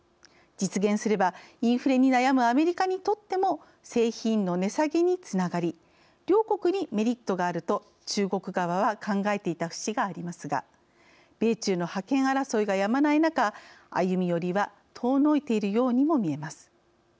実現すればインフレに悩むアメリカにとっても製品の値下げにつながり両国にメリットがあると中国側は考えていた節がありますが米中の覇権争いがやまない中歩み寄りは遠のいているようにもみえます。